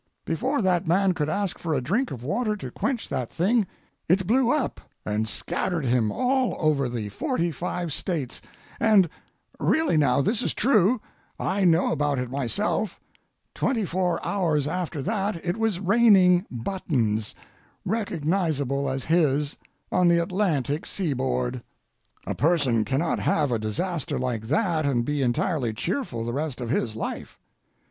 Before that man could ask for a drink of water to quench that thing, it blew up and scattered him all over the forty five States, and—really, now, this is true—I know about it myself—twenty four hours after that it was raining buttons, recognizable as his, on the Atlantic seaboard. A person cannot have a disaster like that and be entirely cheerful the rest of his life.